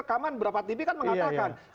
rekaman beberapa tv kan mengatakan